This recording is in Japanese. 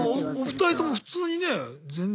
お二人とも普通にね全然。